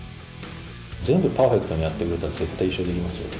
全部、パーフェクトにやってくれたら絶対、優勝できますよね。